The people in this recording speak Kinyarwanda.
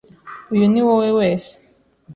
Uyu niwowe wese.